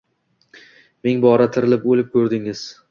Ming bora tirilib-o’lib ko’rdingiz.